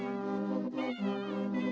pertama suara dari biasusu